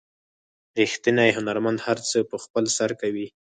ریښتینی هنرمند هر څه په خپل سر کوي.